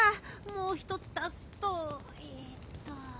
もうひとつ足すとえっと。